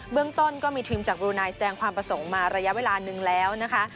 เรื่องต้นก็มีทีมจากบรูไนแสดงความประสงค์มาระยะเวลาหนึ่งแล้วนะคะ